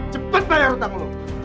cepet bayar hutang lu